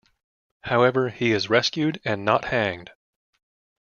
However, he is rescued and not hanged.